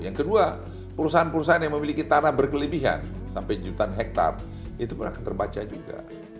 yang kedua perusahaan perusahaan yang memiliki tanah berkelebihan sampai jutaan hektare itu akan terbaca juga